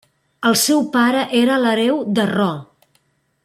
El seu pare era l'hereu de Ro.